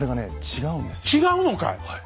違うのかい！